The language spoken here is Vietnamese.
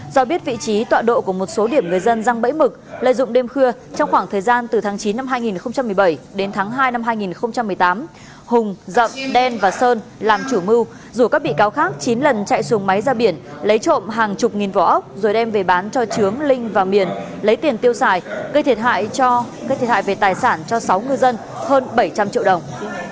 do biết vị trí tọa độ của một số điểm người dân răng bẫy mực lợi dụng đêm khưa trong khoảng thời gian từ tháng chín năm hai nghìn một mươi bảy đến tháng hai năm hai nghìn một mươi tám hùng dậm đen và sơn làm chủ mưu rủ các bị cáo khác chín lần chạy xuống máy ra biển lấy trộm hàng chục nghìn vỏ ốc rồi đem về bán cho chướng linh và miền lấy tiền tiêu xài gây thiệt hại về tài sản cho sáu người dân hơn bảy trăm linh triệu đồng